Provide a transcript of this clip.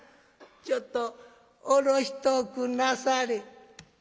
「ちょっと下ろしとくんなされ」。